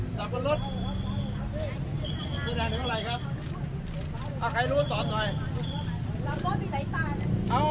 สับปะรดแสดงถึงอะไรครับอ่าใครรู้ตอบหน่อยสับปะรดมีหลายตานะ